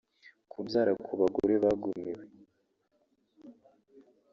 kubyara ku bagore bagumiwe